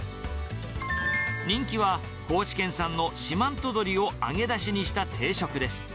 人気は高知県産の四万十鶏をあげだしにした定食です。